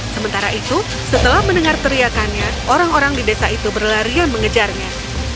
sementara itu setelah mendengar teriakannya orang orang di desa itu berlarian mengejarnya